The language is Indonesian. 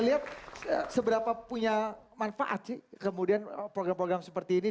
seluruh tan anda lihat seberapa punya manfaat sih kemudian program program seperti ini